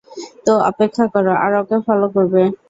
তো অপেক্ষা করো, আর ওকে ফলো করবে।